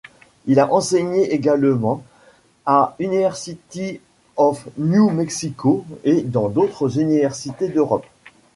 Il a enseigné également à University of New Mexico et dans d'autres univérsités d'Europe.